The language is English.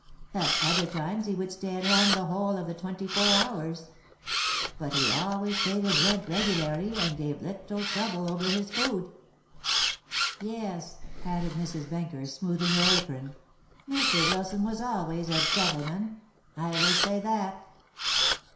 At other times he would stay at home the whole of the twenty four hours. But he always paid his rent regularly, and gave little trouble over his food. Yes," added Mrs. Benker, smoothing her apron, "Mr. Wilson was always a gentleman. I will say that."